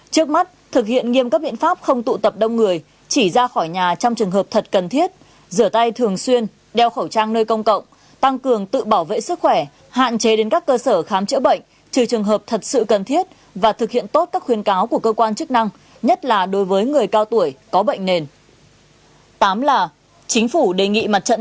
trước mắt thực hiện nghiêm cấp biện pháp không tụ tập đông người chỉ ra khỏi nhà trong trường hợp thật cần thiết rửa tay thường xuyên đeo khẩu trang nơi công cộng tăng cường tự bảo vệ sức khỏe hạn chế đến các cơ sở khám chữa bệnh trừ trường hợp thật sự cần thiết và thực hiện tốt các khuyên cáo của cơ quan chức năng nhất là đối với người cao tuổi có bệnh nền